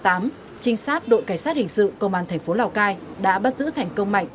trinh sát đội cảnh sát hình sự công an thành phố lào cai đã bắt giữ thành công mạnh